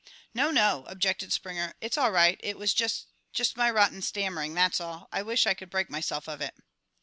"No, no," objected Springer. "It's all right. It was ju just my rotten stammering, that's all. I wish I could break myself of it."